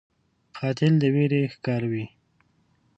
قاتل د ویر ښکاروي